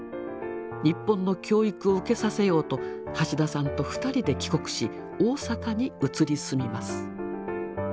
日本の教育を受けさせようと橋田さんと２人で帰国し大阪に移り住みます。